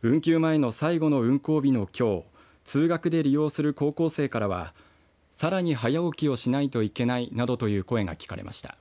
運休前の最後の運行日のきょう通学で利用する高校生からはさらに早起きをしないといけないなどという声が聞かれました。